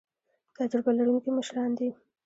تجربه لرونکي مشران دي